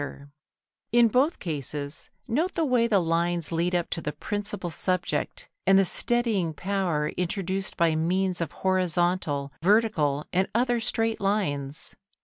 Photo Anderson] In both cases note the way the lines lead up to the principal subject, and the steadying power introduced by means of horizontal, vertical, and other straight lines.